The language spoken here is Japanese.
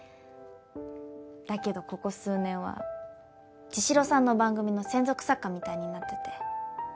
だけどここ数年は茅代さんの番組の専属作家みたいになってて。